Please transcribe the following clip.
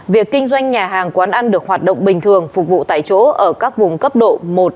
việc kinh doanh nhà hàng quán ăn được hoạt động bình thường phục vụ tại chỗ ở các vùng cấp độ một